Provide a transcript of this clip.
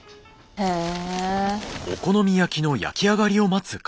へえ。